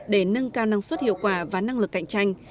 để nâng cao năng suất hiệu quả và năng lực cạnh tranh